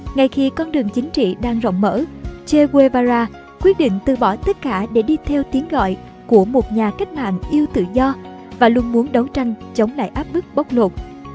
ngay khi con đường chính trị đang rộng mở ché guevara quyết định từ bỏ tất cả để đi theo tiếng gọi của một nhà cách mạng yêu tự do và luôn muốn đấu tranh chống lại áp bức bốc lột